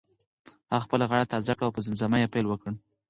هغه خپله غاړه تازه کړه او په زمزمه یې پیل وکړ.